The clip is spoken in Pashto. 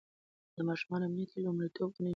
د ماشومانو امنيت يې لومړيتوب ګڼلی و.